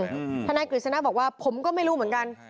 อืมธนายกริสนับบอกว่าผมก็ไม่รู้เหมือนกัน